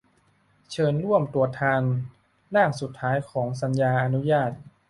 เชิญร่วมตรวจทานร่างสุดท้ายของสัญญาอนุญาต